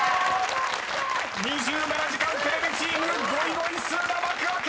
［２７時間テレビチームゴイゴイスーな幕開け！］